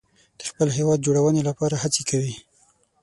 د خپل هیواد جوړونې لپاره هڅې کوي.